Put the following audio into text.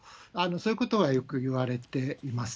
そういうことはよく言われています。